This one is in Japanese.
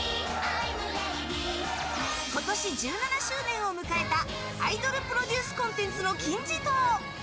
今年１７周年を迎えたアイドルプロデュースコンテンツの金字塔。